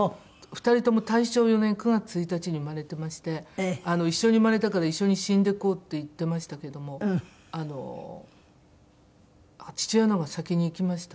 ２人とも大正４年９月１日に生まれてまして一緒に生まれたから一緒に死んでいこうって言ってましたけどもあの父親の方が先に逝きました。